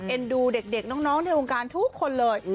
เอ็นดูเด็กน้องทางโครงการทุกคนเลย